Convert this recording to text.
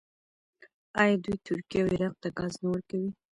آیا دوی ترکیې او عراق ته ګاز نه ورکوي؟